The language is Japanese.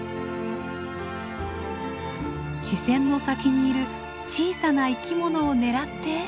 視線の先にいる小さな生きものを狙って。